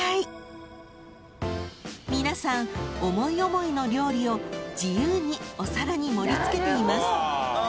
［皆さん思い思いの料理を自由にお皿に盛り付けています］